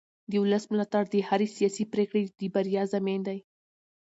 د ولس ملاتړ د هرې سیاسي پرېکړې د بریا ضامن دی